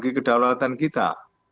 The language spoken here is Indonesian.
bagi kedaulatan kita